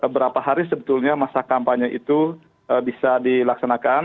berapa hari sebetulnya masa kampanye itu bisa dilaksanakan